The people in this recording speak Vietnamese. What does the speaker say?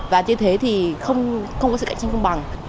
và như thế thì không có sự cạnh tranh công bằng